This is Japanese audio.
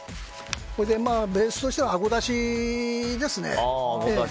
ベースとしてはアゴだしですね。